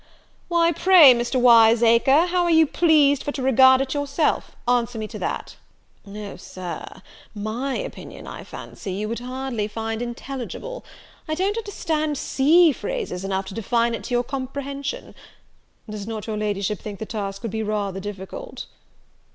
"Why, pray, Mr. Wiseacre, how are you pleased for to regard it yourself? Answer me to that." "O Sir, my opinion, I fancy, you would hardly find intelligible. I don't understand sea phrases enough to define it to your comprehension. Does not your La'ship think the task would be rather difficult?"